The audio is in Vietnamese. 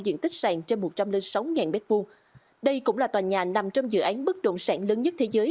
diện tích sàn trên một trăm linh sáu m hai đây cũng là tòa nhà nằm trong dự án bất động sản lớn nhất thế giới